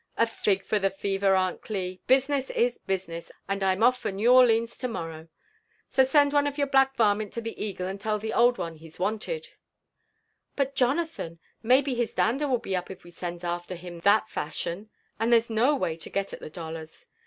" A 6g for the fever, Aunt Gil I — business is business, *^nd I'm off for Orlines to morrow. Sosend oneof your black varment to the Eagle, and tell the old one he's wanted." But, Jonathan, maybe his dander will be up if we sends after him that fashion ; and that's no way to get at the dollars.